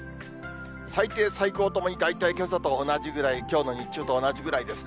最低、最高ともに大体けさと同じぐらい、きょうの日中と同じぐらいですね。